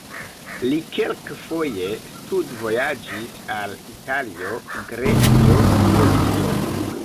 Li kelkfoje studvojaĝis al Italio, Grekio, Turkio.